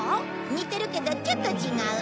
似てるけどちょっと違う。